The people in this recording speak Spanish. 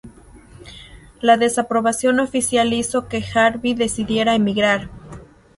La desaprobación oficial hizo que Järvi decidiera emigrar.